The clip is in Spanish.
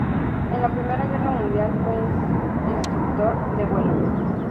En la Primera Guerra Mundial fue instructor de vuelo.